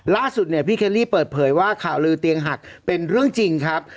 ล่าสุดเนี่ยพี่เคลลี่เปิดเผยว่าข่าวลือเตียงหักเป็นเรื่องจริงครับ